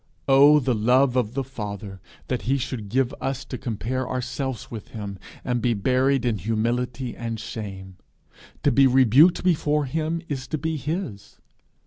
Oh the love of the Father, that he should give us to compare ourselves with him, and be buried in humility and shame! To be rebuked before him is to be his.